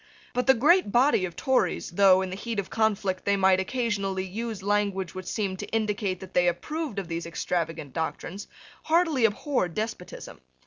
But the great body of Tories, though, in the heat of conflict, they might occasionally use language which seemed to indicate that they approved of these extravagant doctrines, heartily abhorred despotism.